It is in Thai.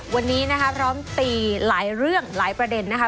วันนี้นะคะพร้อมตีหลายเรื่องหลายประเด็นนะคะ